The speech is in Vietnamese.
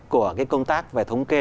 của cái công tác về thống kê